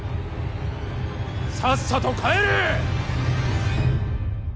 さっさと帰れ！